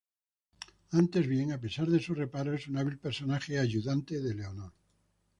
Antes bien, a pesar de sus reparos, es un hábil personaje adyuvante de Leonor.